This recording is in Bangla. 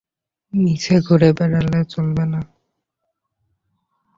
মিছে ঘুরে বেড়ালে চলবে না।